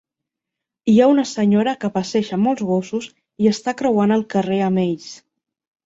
Hi ha una senyora que passeja molts gossos i està creuant el carrer amb ells.